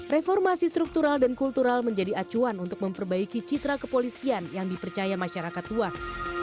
reformasi struktural dan kultural menjadi acuan untuk memperbaiki citra kepolisian yang dipercaya masyarakat luas